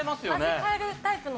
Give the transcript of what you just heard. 味変えるタイプの。